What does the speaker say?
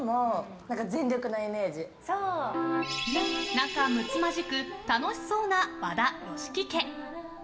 仲むつまじく楽しそうな和田・吉木家。